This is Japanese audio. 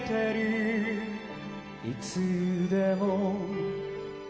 「いつでも」